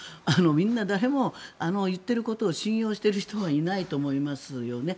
みんな誰も言っていることを信用している人はいないと思いますよね。